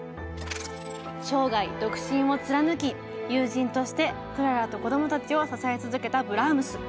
生涯独身を貫き友人としてクララとこどもたちを支え続けたブラームス。